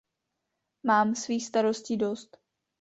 Mám svých starostí dost.